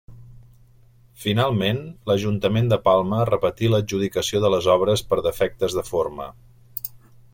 Finalment, l'Ajuntament de Palma repetí l'adjudicació de les obres per defectes de forma.